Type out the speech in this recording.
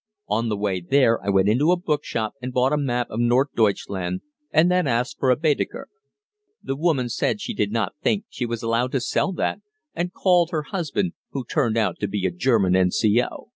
On the way there I went into a bookshop and bought a map of Nord Deutschland and then asked for a Baedeker. The woman said she did not think she was allowed to sell that, and called her husband, who turned out to be a German N.C.O.